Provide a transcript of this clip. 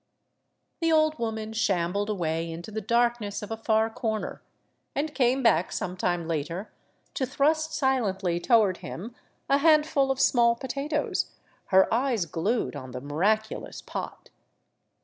The old woman shambled away into the darkness of a far corner, and came back some time later to thrust silently toward him a handful of small potatoes, her eyes glued on the miraculous pot.